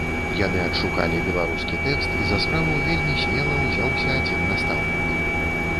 Яны адшукалі беларускі тэкст, і за справу вельмі смела ўзяўся адзін настаўнік.